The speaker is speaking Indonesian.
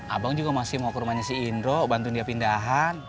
abang juga masih mau ke rumahnya si indro bantuin dia pindahan